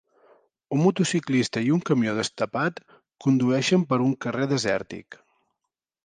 Un motociclista i un camió destapat condueixen per un carrer desèrtic.